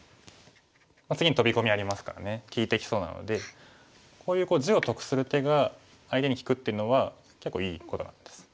次にトビ込みありますからね利いてきそうなのでこういう地を得する手が相手に利くっていうのは結構いいことなんです。